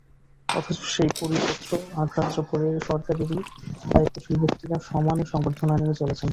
অথচ সেই পরিপত্র অগ্রাহ্য করে সরকারেরই দায়িত্বশীল ব্যক্তিরা সমানে সংবর্ধনা নিয়ে চলেছেন।